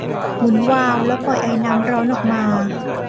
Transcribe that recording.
หมุนวาล์วและปล่อยไอน้ำร้อนออกมา